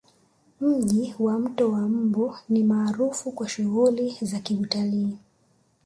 Mji wa mto wa mbu ni maarufu kwa shughuli za Kiutalii